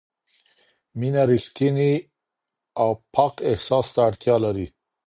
مینه رښتیني او پاک احساس ته اړتیا لري.